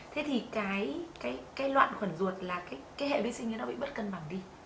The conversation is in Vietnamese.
thế thì cái loạn khuẩn ruột là cái hệ vi sinh ấy nó bị bất cân bằng đi